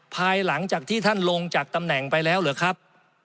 ภายหลังจากที่ท่านลงจากตำแหน่งไปแล้วหรือครับ